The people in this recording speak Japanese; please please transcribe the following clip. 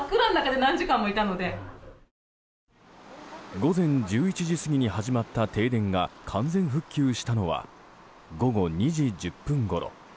午前１１時過ぎに始まった停電が完全復旧したのは午後２時１０分ごろ。